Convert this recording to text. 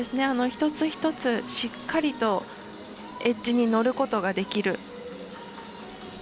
一つ一つしっかりとエッジに乗ることができる。